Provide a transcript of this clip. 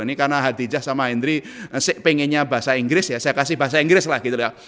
ini karena hadijah sama hendri pengennya bahasa inggris ya saya kasih bahasa inggris lah gitu ya